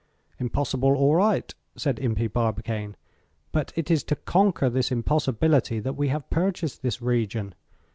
"Impossible, all right," said Impey Barbicane. "But it is to conquer this impossibility that we have purchased this region.